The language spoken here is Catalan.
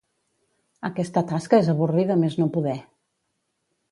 Aquesta tasca és avorrida a més no poder.